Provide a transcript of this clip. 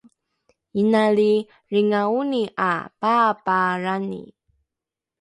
inali lringaoni ’a pa’apaalrani